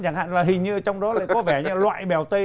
chẳng hạn là hình như trong đó lại có vẻ như loại bèo tây